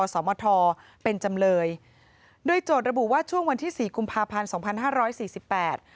สมทเป็นจำเลยโดยโจทย์ระบุว่าช่วงวันที่สี่กุมภาพันธ์สองพันห้าร้อยสี่สิบแปด